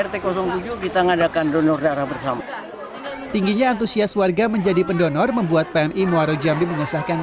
pendonor darah bersama tingginya antusias warga menjadi pendonor membuat pmi muarajambi mengusahakan